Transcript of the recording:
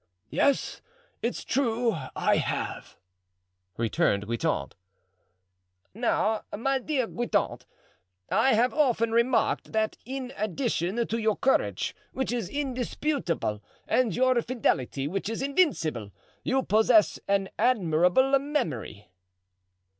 "Yes, it's true. I have," returned Guitant. "Now, my dear Guitant, I have often remarked that in addition to your courage, which is indisputable, and your fidelity, which is invincible, you possess an admirable memory."